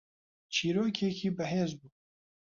چیرۆکێکی بەهێز بوو